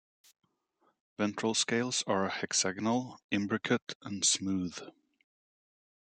Ventral scales are hexagonal, imbricate, and smooth.